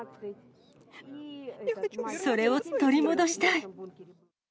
それを取り戻したい。